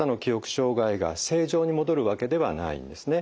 障害が正常に戻るわけではないんですね。